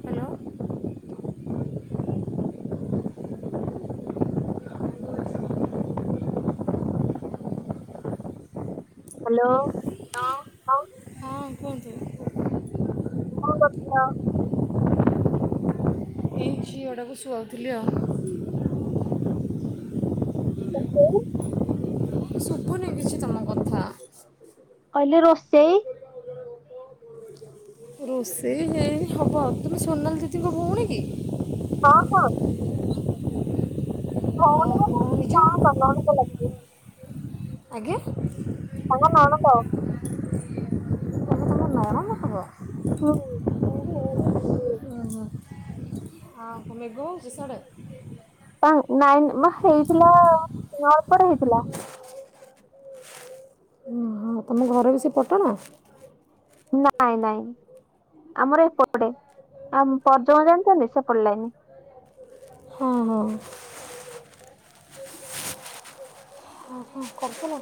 Hello hello. ହଁ କୁହନ୍ତୁ କଣ କରୁଥିଲ? ଝିଅ ଟାକୁ ଶୁଆଉଥିଲି ଆଉ ଏଇ ଶୁବୁନେଇ କିଛି ତମ କଥା କଲେ ରୋଷେଇ ରୋଷେଇ ସେଇ ହବ ତୁମେ ସୋନାଲ ଦିତିଙ୍କ ଭଉଣୀ କି? ହଁ ହଁ ଆଉ କ କଣକୁ ଲାଗିବ ଆଜ୍ଞା ତାଙ୍କ ନଣଦ ନ ନଣଦ ହବ ହୁଁ [inaudible] ହୁଁ ହୁଁ ହଁ ମେଘ କେମିତି କଣ ସିଆଡ଼େ? ନାଇ ମା ହେଇଥିଲା ନ ଅଳପଡ ହେଇଥିଲା ଓହୋ ତମ ଘର ବି ସେ ପଟଣା ନାଇଁ ନାଇଁ ଆମର ଏପଟେ ଆ ପର୍ଯ୍ୟଣ ଜାଣିଛନ୍ତି ସେପଟ ଲାଗନି ହଁ ହଁ ହଁ କରଛ ନା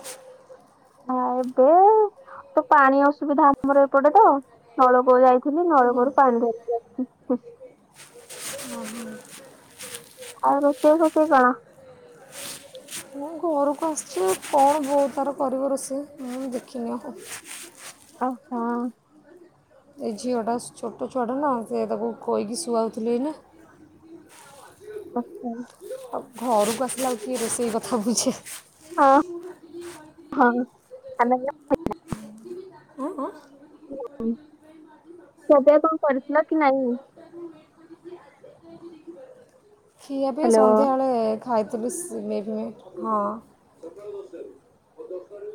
ଆ ଏବେ ତ ପାଣି ଅସୁବିଧା ଆମର ଏପଟେ ତ ନଳକୂଉ ଯାଇଥିଲି ହୁଁ ନଳକୂଅରୁ ପାଣି ଧରି ହ ହ ଓ ହୋ ଆଉ ରୋସାଇ ରୋଷେଇ କଣ ମୁଁ ଘରକୁ ଆସିଛି କଣ ବୋଉ ତାର କରିବ ରୋଷେଇ ମୁଁ ଦେଖିନି ଆ ଓହୋ ଏ ଝିଅଟା ଛୋଟ ଛୁଆଟା ନା ସେ ତାକୁ କହିକି ଶୁଆଉଥିଲେ ନା ଆଚ୍ଛା ଆଉ ଘରକୁ ଆସିଲା ବ କି ରୋଷେଇ କଥା ବୁଝେ ହଁ ହଁମ ଆଁ ଆଁ। ହୁଁ ଖିଆ ପିଆ କଣ କରିଥିଲ କି ନାଇଁ? ଖିଆ ପିଆ ଆଉ ସନ୍ଧ୍ୟାବେଳେ। ଖାଇଥିଲି [unintelligible] ହଁ।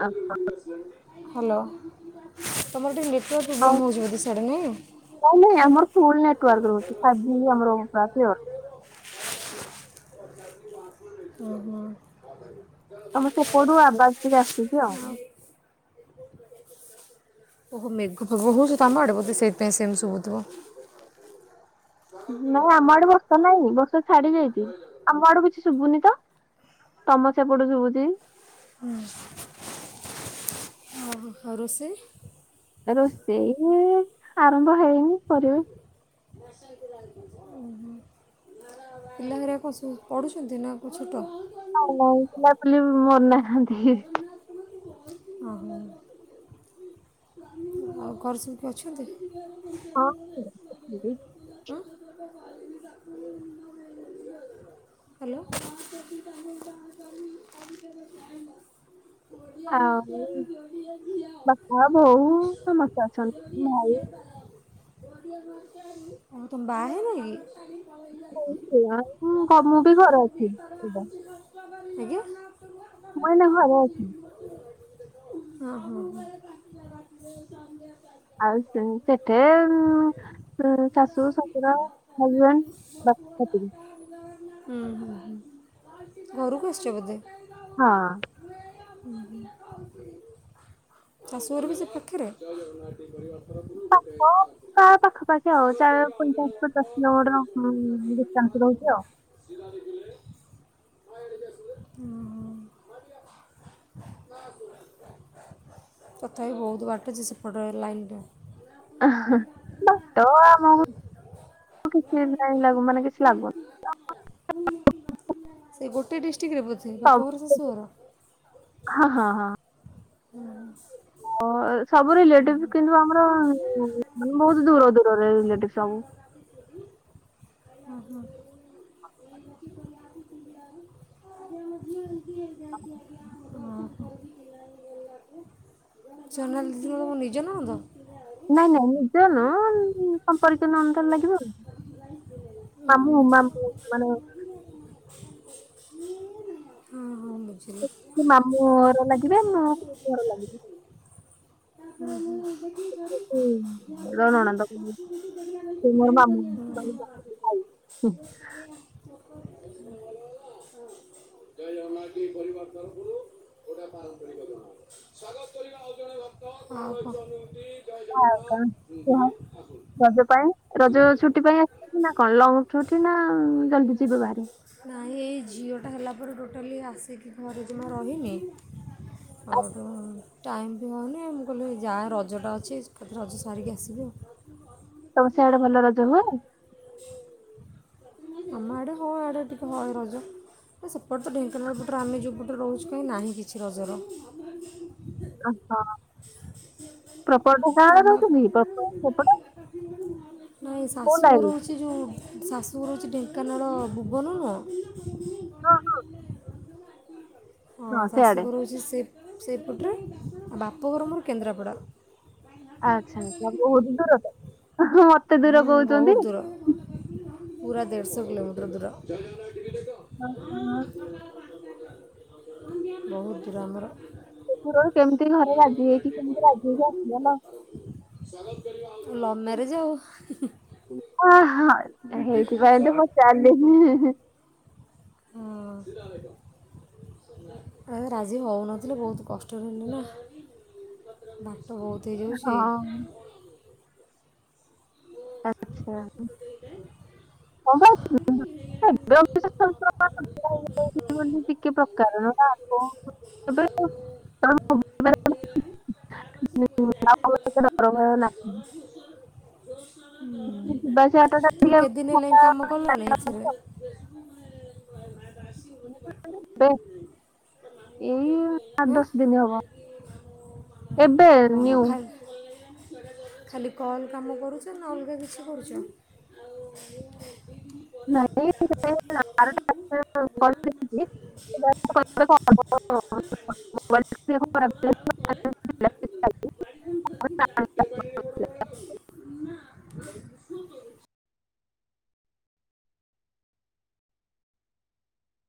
ଆ ହାଁ ହ୍ୟାଲୋ ତମର ଟିକେ ନେଟୱାର୍କ ପ୍ରୋବ୍ଲେମ୍ ହେଉଛି ବୋଧେ ସିଆଡେ ନାଇଁ? ନାଇଁ ନାଇଁ ଆମର ଫୁଲ୍ ନେଟୱର୍କ ରହୁଛି ଫାଇଭ ଜି ଆମର ପୁରା କ୍ଲିୟର। ଓ ହୋ। [unintelligible] ତମ ସେପଟୁ ଆବାଜ ଟିକେ ଆସୁଛି ଆଉ। ଓ ହୋ ମେଘ ଫେଘ ହଉଛି ତମେ ଆଡେ ବୋଧେ ସେଇଥିପାଇଁ ସେମିତି ଶୁଭୁଥିବ। ନାଇଁ ଆମ ଆଡେ ବର୍ଷା ନାହିଁ ବର୍ଷା ଛାଡି ଯାଇଛି। [unintelligible] ଆମ ଆଡୁ କିଛି ଶୁଭୁନି ତ ତମ ସେପଟୁ ଶୁଭୁଛି। ହଁ ଓ ଆଉ ରୋଷେଇ? ରୋଷେଇ ଆରମ୍ଭ ହେଇନି କରିବା। [unintelligible] ପିଲାଘଆ ପଢୁଛନ୍ତି ନା ଛୋଟ ହଁ ପିଲାପୁଲିି ମର ନାହନ୍ତି ଓହୋ ଆଉ କର ସବୁ ଅଛନ୍ତି ହଁ ହ୍ୟାଲୋ। ଆଉ ବାପା ବୋଉ ସମସ୍ତେ ଅଛନ୍ତି ଭାଇ। ଆଉ ତମେ ବାହାହେଇନ କି? ହଉ ହଉ ଆଉ କଣ ମୁଁ ବି ଘରେ ଅଛି। ଆଜ୍ଞା? ମୁଁ ଏଇନା ଘରେ ଅଛି। ଓ ହୋ। ଆଉ ସେଠି? ଶାଶୁ, ଶଶୁର, ହଜବେଣ୍ଡ ବସ୍ ସେତିକି। ହଁ ହ ହ ଘରକୁ ଆସିଛ ବଧେ? ହଁ। ହୁଁ ହୁଁ। ଶାଶୁ ଘର ବି ସେ ପାଖେରେ? ପ୍ରାୟେ ପାଖ ପାାଖି ଆଉ ଚାରି ରୁ ପଚାଶ ପଚାଶ କିଲୋମିଟର ଡିଷ୍ଟାନ୍ସ ରହୁଛି ଆଉ। [unintelligible] ହୁଁ। ତଥାପି ବହୁତ ବାଟ ଯେ ସେପଟ ଲାଇନଟା। ଆଁ ହାଁ ବାଟ ଆମକୁ କିଛି ନାଇଁ ଲାଗୁ ମାନେ କିଛି ଲାଗୁ ସେଇ ଗୋଟେ ଡିଷ୍ଟିକ୍ ରେ ବୋଧେ ସବୁ ବାପଘର ଶାଶୁଘର? ହଁ ହଁ ହଁ। ହୁଁ। ମୋ ସବୁ ରିଲେଟିଭ କିନ୍ତୁ ଆମର [unintelligible] ବହୁତ ଦୂର ଦୂରରେ ରିଲେଟିଭ ସବୁ। ଓ ହୋ। [inaudible] ସୋନାଲି ଦିଦି କଣ ତମ ନିଜ ନଣନ୍ଦ? ନାଇଁ ନାଇଁ ନିଜ ନ ଉଁ ସମ୍ପର୍କୀୟ ନଣନ୍ଦ ଲାଗିବ ଆଉ। ମାମୁଁ ମାମୁଁ ମାନେ ହଁ ହଁ ମୁଁ ବୁଝିଲି। କି ମାମୁଁ ର ଲାଗିବେ ମୋ ପୁଅ ପୁଅର ଲାଗିଚି। ହୁଁ ହୁଁ। ଉଁ ମୋର ନଣନ୍ଦ [unintelligible] ହୁଁ, ଜୟ ଜଗନ୍ନାଥ ଟିଭି ପରିବାର ତରଫରୁ ଗୋଟାଏ ପାରମ୍ପରିକ ଦିନ। ଅ ହୋ। ହଁ କଣ କୁହ? [unintelligible] ନା ଶ୍ରୀରାଧେ କଣ ଲଙ୍ଗ ଛୁଟି ନା ଜଲଦି ଯିବେ ବାହାରି? ନାଇଁ ଏଇ ଝିଅଟା ହେଲା ପରେ ଟୋଟାଲି ଆସିକି ଘରେ ଜମା ରହିନି। ଅଉଟୁ ଟାଇମ୍ ବି ହଉନି ମୁଁ କହିଲି ଯାଏ ରଜଟା ଅଛି ଏକାଥରେ ରଜ ସାରିକି ଆସିବି ଆଉ। ତମ ସିଆଡେ ଭଲ ରଜ ହୁଏ? ଆମ ଆଡେ ହଁ ଆଡେ ଟିକେ ହଏ ରଜ କାଇଁ ସେପଟେ ତ ଢେଙ୍କାନାଳ ପଟରେ ଆମେ ଯୋଉ ପଟରେ ରହୁଚୁ କାଇଁ ନାହିଁ କିଛି ରଜର ଅ ହ ହଁ ପ୍ରପର୍ଟି କଣ ରଖିଚି [unintelligible] ସେପଟେ କୋଉ ଲାଇନ ସେ ଯୋଉ ଶାଶୁଘର ହଉଚି ଢେଙ୍କାନାଳ ଭୁବନ ନୁହଁ ହଁ ଶାଶୁଘର ହଉଚି ସେ ସେ ପଟେରେ ଆ ବାପଘର ମୋର କେନ୍ଦ୍ରାପଡା। ଆଚ୍ଛା ବହୁତ ଦୂର ତ ଅଁ ହଁ ମତେ ଦୂର ହୁଁ କହୁଚନ୍ତି। ବହୁତ ଦୂର ପୁରା ଦେଢଶ କିିଲୋମିଟର ଦୂର। ଅଁ ହଁ। ବହୁତ ଦୂର ଆମର। ଏ ଦୂର କେମତିଘରେ ରାଜି ହେଇକି କେମତି ରାଜି ହେଇକି ଆସିଗଲ? ଲଭ୍ ମ୍ୟାରେଜ ଆଉ। ଅଁ ହଁ ହେଇଥିପାଇଁ ତ ପଚାରିଲି ହିଁ ହିଁ। ହଁ। ଏ ବା ରାଜି ହଉନଥିଲେ ବହୁତ କଷ୍ଟରେ ହେଲେ ନା ବାଟ ବହୁ [unintelligible] ହଁ ଆଚ୍ଛା [unintelligible] [unintelligible] ଟିକେ ପ୍ରକାରର [unintelligible] ଆପଣ [unintelligible] [unintelligible] ଭୟ ନାହିଁ ଉଁ ଶିବା ଚାଟ ଟା ତୁମେ ଟିକେ କେତେ ଦିନ ହେଲାଇଁ ଫାଙ୍କା କାମ କଲଣି ଏଥିରେ? ମୁଁ କଲି? ଏଇ ଆଠ ହଁ ଦଶ ଦିନ ହବ। ଏବେ ମୁଁ ନ୍ୟୁ ଖାଇଲ ଖାଲି କଲ୍ କାମ କରୁଛ ନା ଅଲଗା କିଛି କରୁଛ ନାହିଁ କେ ବାରଟା [inaudible] ଏଇ [inaudible] ମୋବାଇଲ [inaudible] ପାଣିରେ ଗଡ ପ [inaudible]